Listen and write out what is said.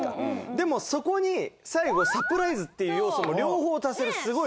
でもそこに最後サプライズっていう要素も両方足せるすごい。